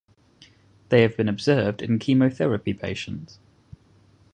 They have been observed in chemotherapy patients.